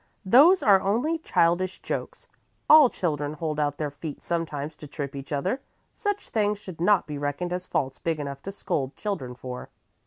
"Those are only childish jokes. All children hold out their feet sometimes to trip each other. Such things should not be reckoned as faults big enough to scold children for."